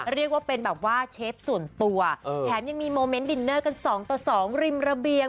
เรียกว่าเป็นแบบว่าเชฟส่วนตัวแถมยังมีโมเมนต์ดินเนอร์กันสองต่อสองริมระเบียง